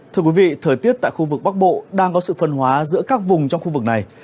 thưa quý vị thời tiết tại khu vực bắc bộ đang có sự phân hóa giữa các vùng trong khu vực này